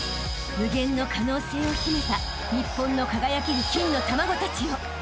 ［無限の可能性を秘めた日本の輝ける金の卵たちよ］